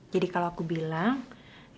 jadi kalau aku bilang